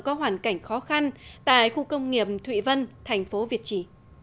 bằng cảnh khó khăn tại khu công nghiệp thụy vân thành phố việt trì